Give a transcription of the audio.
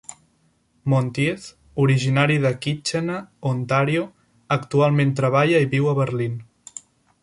Montieth, originari de Kitchener, Ontario, actualment treballa i viu a Berlín.